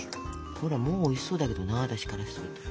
ほらもうおいしそうだけどな私からすると。